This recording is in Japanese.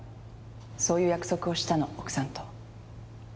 そういう約束をしたの奥さんと。